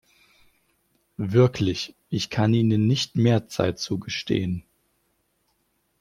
Wirklich, ich kann Ihnen nicht mehr Zeit zugestehen.